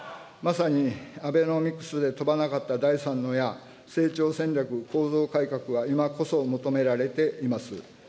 まさにアベノミクスで飛ばなかった第三の矢、成長戦略、構造改革が今こそ求められています。